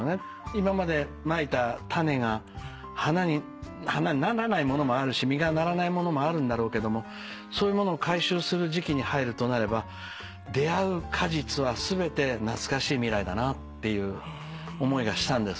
今までまいた種が花にならないものもあるし実がならないものもあるんだろうけどもそういうものを回収する時期に入るとなれば出合う果実は全てなつかしい未来だなっていう思いがしたんですね。